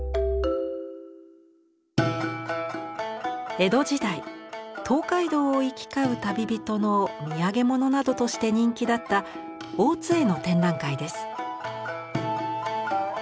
江戸時代東海道を行き交う旅人のみやげものなどとして人気だった大津絵の展覧会です。